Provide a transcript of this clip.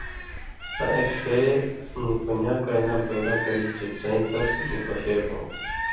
آں اېک ݜے نی پُنیاک رن٘گاں پیدا کرِگ چے څَیں تس نی پشېل ہو۔